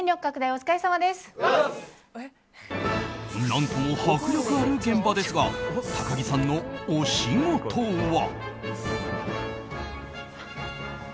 何とも迫力ある現場ですが高樹さんのお仕事は。